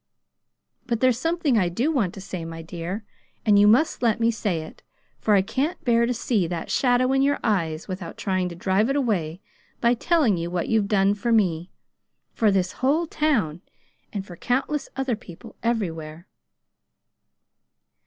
But there's something I do want to say, my dear, and you must let me say it, for I can't bear to see that shadow in your eyes without trying to drive it away by telling you what you've done for me, for this whole town, and for countless other people everywhere."